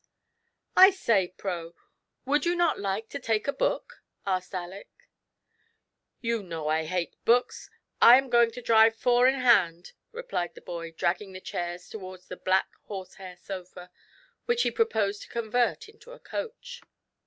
"I say, Pro, would you not like to take a book?" asked Aleck. " You know I hate books — I am going to drive four in hand," replied the boy, dragging the chairs towards the black horse hair sofa, which he proposed to convert into a coach.